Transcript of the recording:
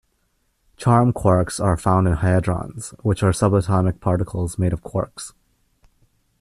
Charm quarks are found in hadrons, which are subatomic particles made of quarks.